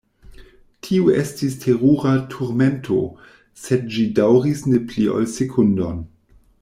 Tio estis terura turmento, sed ĝi daŭris ne pli ol sekundon.